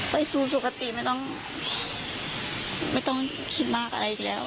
ไปสู่สุขติไม่ต้องไม่ต้องคิดมากอะไรอีกแล้ว